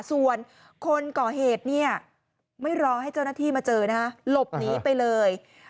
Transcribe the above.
ส่วนคนก่อเหตุเนี่ยไม่รอให้เจ้าหน้าที่มาเจอนะฮะหลบหนีไปเลย